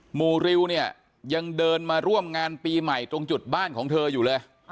หมู่ริวเนี่ยยังเดินมาร่วมงานปีใหม่ตรงจุดบ้านของเธออยู่เลย